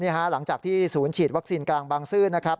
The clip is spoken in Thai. หลังจากที่ศูนย์ฉีดวัคซีนกลางบางซื่อนะครับ